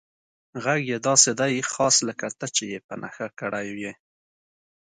غږ یې داسې دی، خاص لکه ته چې یې په نښه کړی یې.